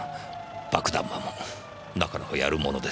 爆弾魔もなかなかやるものですねぇ。